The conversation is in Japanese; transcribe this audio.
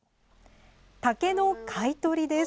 竹の買い取りです。